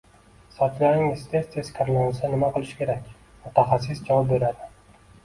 Sochlaringiz tez-tez kirlansa nima qilish kerak? Mutaxassis javob beradi